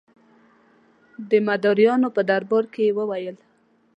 د مداریانو په باره کې یې ویل.